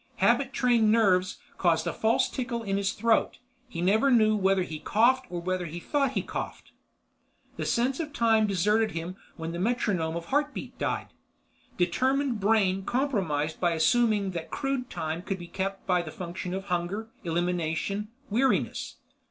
Habit trained nerves caused a false tickle in his throat; he never knew whether he coughed or whether he thought that he coughed. The sense of time deserted him when the metronome of heartbeat died. Determined Brain compromised by assuming that crude time could be kept by the function of hunger, elimination, weariness.